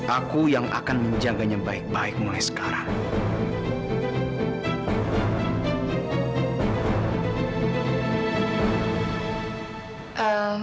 aku yang akan menjaganya baik baik mulai sekarang